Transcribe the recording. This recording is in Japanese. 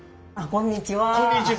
こんにちは。